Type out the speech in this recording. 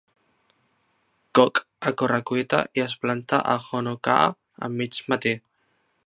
Cook a corre-cuita i es plantà a Honoka'a a mig matí.